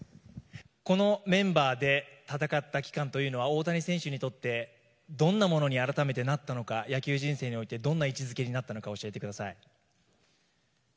このメンバーで戦った期間というのは大谷選手にとって改めてどんなものになったのか野球人生においてどんな位置づけになったのか教えてください。